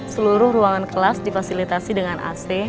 seluruh ruangan kelas difasilitasi dengan ac